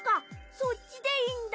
そっちでいいんだ。